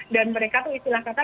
dan mereka itu istilah kata